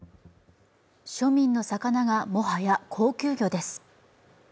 庶民の魚がもはや高級魚です。